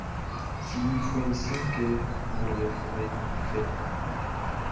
Siglifoué siâkê nʼglwêlêfoué fɛ.